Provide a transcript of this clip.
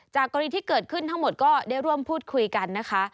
กรณีที่เกิดขึ้นทั้งหมดก็ได้ร่วมพูดคุยกันนะคะ